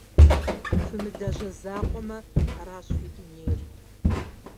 Фымылажьэ закъуэмэ, аращ фи дунейр.